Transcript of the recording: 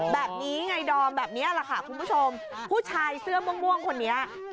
แบบนี้แหละค่ะคุณผู้ชมผู้ชายเสื้อม่วงคนเนี่ย